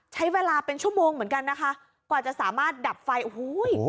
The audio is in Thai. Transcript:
ใช้เวลาเป็นชั่วโมงเหมือนกันนะคะกว่าจะสามารถดับไฟโอ้โห